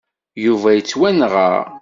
Yuba yettwanɣa.